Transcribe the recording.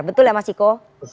betul ya mas ciko